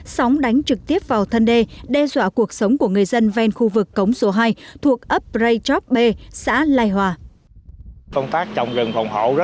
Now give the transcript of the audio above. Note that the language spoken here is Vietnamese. sóng đánh trực tiếp vào thân đê đe dọa cuộc sống của người dân ven khu vực cống số hai thuộc ấp prey chop b xã lai hòa